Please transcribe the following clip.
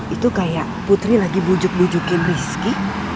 itu kayak putri lagi bujuk bujukin rizki